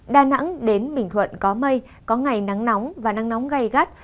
đà nẵng đến bình thuận có mây có ngày nắng nóng và nắng nóng gai gắt